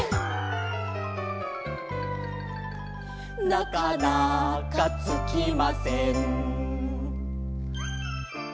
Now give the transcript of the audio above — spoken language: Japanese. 「なかなかつきません」